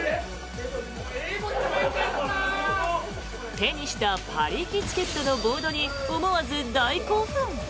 手にしたパリ行きチケットのボードに思わず大興奮。